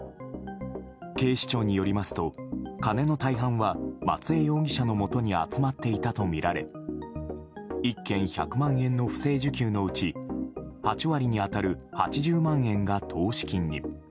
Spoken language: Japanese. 警視庁によりますと金の大半は松江容疑者のもとに集まっていたとみられ１件１００万円の不正受給のうち８割に当たる８０万円が投資金に。